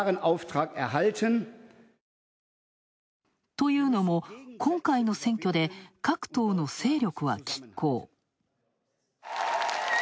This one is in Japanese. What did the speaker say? というのも今回の選挙で各党の勢力は拮抗。